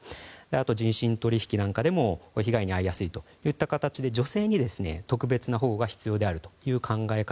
あと人身取引でも被害に遭いやすいということで女性に特別な保護が必要であるという考え方。